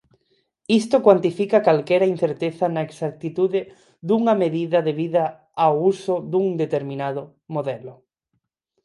Isto cuantifica calquera incerteza na exactitude dunha medida debida ao uso dun determinado modelo.